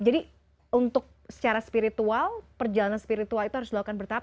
jadi untuk secara spiritual perjalanan spiritual itu harus dilakukan bertahap